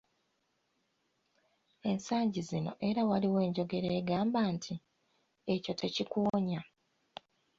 Ensangi zino era waliwo enjogera egamba nti, "ekyo tekikuwonya."